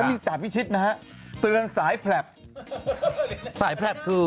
แล้วมีสาธิจิชใจนะฮะเตือนสายแผลปสายแผลปคือ